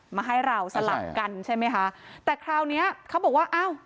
มาให้เราสลับกันใช่ไหมคะแต่คราวเนี้ยเขาบอกว่าอ้าว